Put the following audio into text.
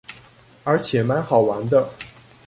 而且滿好玩的